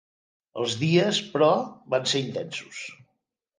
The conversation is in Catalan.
Els dies, però, van ser intensos.